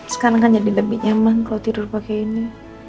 sekarang kan jadi lebih nyaman kalau tidur pakai ini